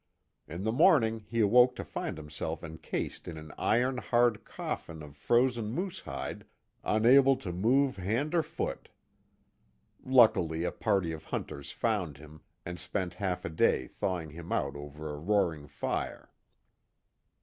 In the morning he awoke to find himself encased in an iron hard coffin of frozen moosehide unable to move hand or foot. Luckily a party of hunters found him and spent half a day thawing him out over a roaring fire.